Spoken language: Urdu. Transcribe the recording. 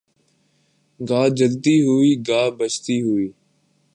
گاہ جلتی ہوئی گاہ بجھتی ہوئی